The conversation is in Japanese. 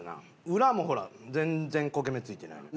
裏もほら全然焦げ目ついてないのよ。